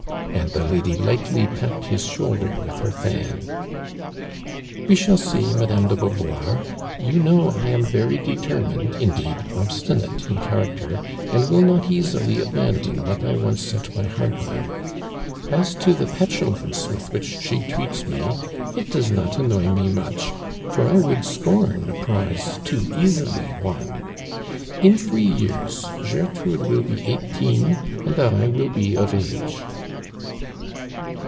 "" and tho lady lightly tjipped his shoulder with her fan. "We shall see, Ma<lamt^ de Beauvoir. You know I am very determined, indeed, obstinate in character, and will not easily abandon wh;|t 1 once set my lieart on. As ' U H ABMAND DUKAND. 27 to the petubuice with which she treats me, t does not annoy mo much, for I would scorn a prize too easily won. In throe years 'jertrvide will he eighteen and 1 will he of Mge."